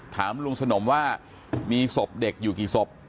ถามลุงสนมว่ามีศพเด็กอยู่กี่ศพ